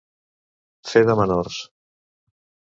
Fer de menors.